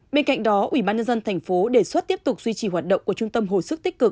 bên cạnh đó ủy ban nhân dân thành phố đề xuất tiếp tục duy trì hoạt động của trung tâm hồi sức tích cực